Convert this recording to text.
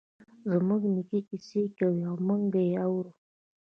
زموږ نیکه کیسې کوی او موږ یی اورو